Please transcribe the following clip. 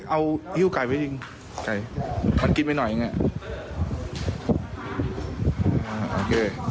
เอาหิ้วไก่ไว้จริงไก่มันกินไปหน่อยอย่างเงี้ย